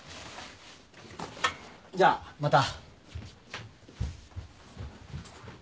じゃあまた。